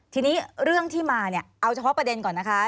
ทีนี้เรื่องที่มาเนี่ยเอาเฉพาะประเด็นก่อนนะคะ